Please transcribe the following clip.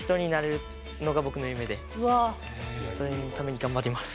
そういうために頑張ります。